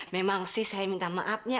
memang sih saya minta maafnya